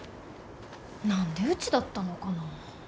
何でうちだったのかな。